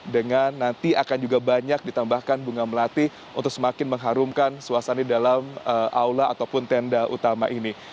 dengan nanti akan juga banyak ditambahkan bunga melati untuk semakin mengharumkan suasana di dalam aula ataupun tenda utama ini